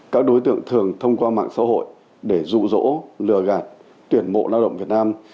các đối tượng thường thông qua mạng xã hội để rụ rỗ lừa gạt tuyển mộ lao động việt nam